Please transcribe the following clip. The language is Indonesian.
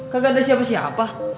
kagak ada siapa siapa